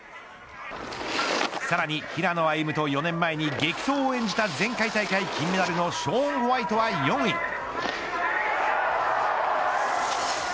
さらに、平野歩夢と４年前に激闘を演じた前回大会金メダルのショーン・ホワイトは４位。